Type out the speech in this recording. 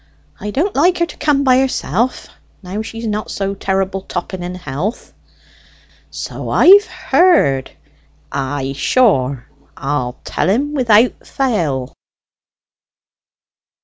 I don't like her to come by herself, now she's not so terrible topping in health." "So I've heard. Ay, sure, I'll tell him without fail."